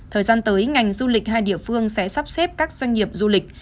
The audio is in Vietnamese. thời gian tới ngành du lịch hai địa phương sẽ sắp xếp các doanh nghiệp du lịch